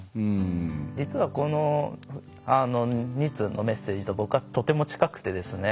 実は、２通のメッセージと僕はとっても近くてですね